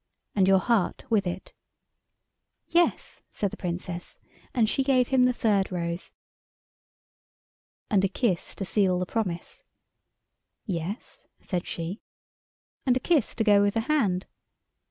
"And your heart with it." "Yes," said the Princess, and she gave him the third rose. "And a kiss to seal the promise." "Yes," said she. "And a kiss to go with the hand."